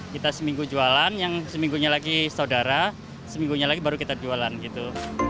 kita seminggu jualan yang seminggunya lagi saudara seminggunya lagi baru kita jualan gitu